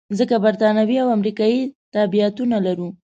ځکه بریتانوي او امریکایي تابعیتونه لرو.